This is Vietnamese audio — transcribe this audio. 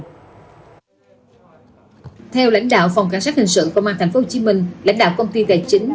theo lãnh đạo phòng cảnh sát hình sự công an tp hcm lãnh đạo công ty tài chính